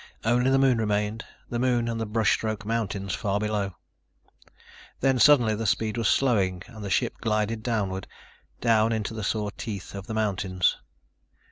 Only the Moon remained, the Moon and the brush stroke mountains far below. Then, suddenly, the speed was slowing and the ship glided downward, down into the saw teeth of the mountains.